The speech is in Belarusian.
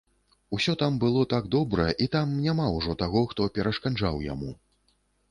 Усё там было так добра і там няма ўжо таго, хто перашкаджаў яму.